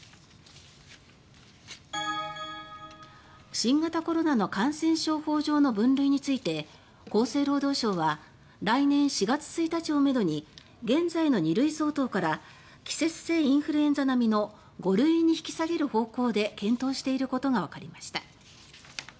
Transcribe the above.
新型コロナの感染症法上の分類について厚生労働省は来年４月１日をめどに現在の２類相当から季節性インフルエンザ並みの５類に緩和する方向で検討していることがわかりました。